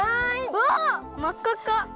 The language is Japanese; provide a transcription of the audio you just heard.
わあまっかっか！